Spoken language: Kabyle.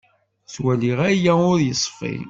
Ttwaliɣ aya ur yeṣfi.